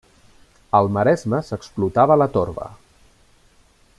Al maresme s'explotava la torba.